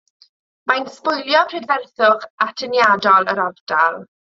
Mae'n sbwylio prydferthwch atyniadol yr ardal.